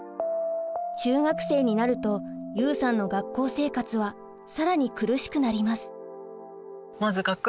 中学生になるとユウさんの学校生活は更に苦しくなります。